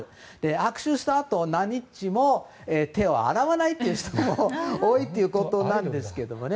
握手したあと何日も手を洗わないという人も多いということなんですけどね。